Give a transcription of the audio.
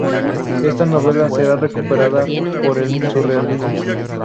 Esta novela será recuperada por el surrealismo.